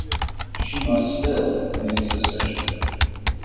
She must still any suspicion.